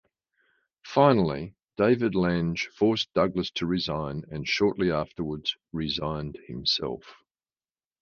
Finally, David Lange forced Douglas to resign, and shortly afterwards resigned himself.